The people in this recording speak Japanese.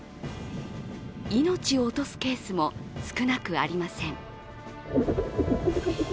命を落とすケースも少なくありません。